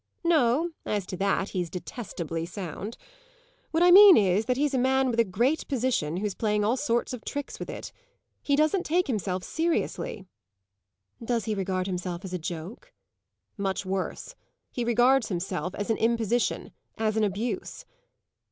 "No, as to that he's detestably sound. What I mean is that he's a man with a great position who's playing all sorts of tricks with it. He doesn't take himself seriously." "Does he regard himself as a joke?" "Much worse; he regards himself as an imposition as an abuse."